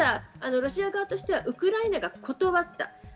ロシア側としてはウクライナが断った。